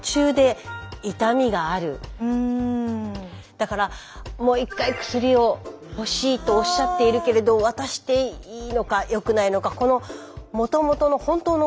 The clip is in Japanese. だからもう一回薬を欲しいとおっしゃっているけれど渡していいのかよくないのか。